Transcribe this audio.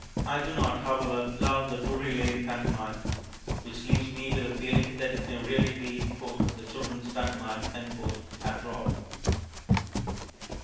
I do not, however, love the Drury Lane pantomime... which leaves me with the feeling that it may really be "the children's pantomime" after all.